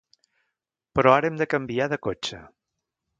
Però ara hem de canviar de cotxe.